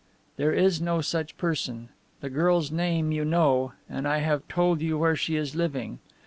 There is no such person. The girl's name you know, and I have told you where she is living.